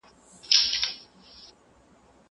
هغه وويل چي وخت تنظيم کول ضروري دي!!